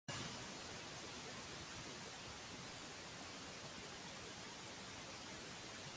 They have two daughters and one son together.